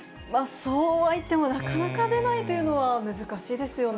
そうはいっても、なかなか出ないというのは難しいですよね。